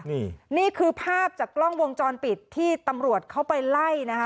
นี่นี่คือภาพจากกล้องวงจรปิดที่ตำรวจเข้าไปไล่นะคะ